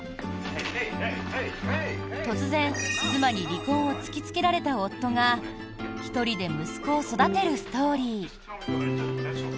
突然妻に離婚を突きつけられた夫が１人で息子を育てるストーリー。